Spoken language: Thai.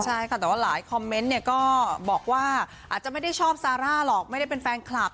ใช่ค่ะแต่ว่าหลายคอมเมนต์เนี่ยก็บอกว่าอาจจะไม่ได้ชอบซาร่าหรอกไม่ได้เป็นแฟนคลับ